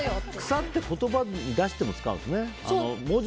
草って言葉に出しても使うんですね。